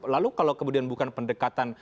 lalu kalau kemudian bukan pendekatan